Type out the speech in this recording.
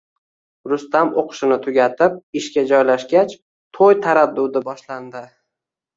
Rustam o`qishini tugatib, ishga joylashgach, to`y taraddudi boshlandi